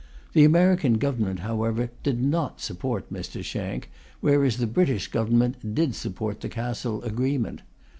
The American Government, however, did not support Mr. Shank, whereas the British Government did support the Cassel agreement.